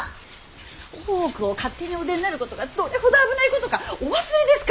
大奥を勝手にお出になることがどれほど危ないことかお忘れですか！